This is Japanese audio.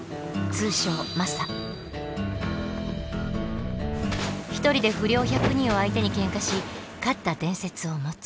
通称１人で不良１００人を相手にケンカし勝った伝説を持つ。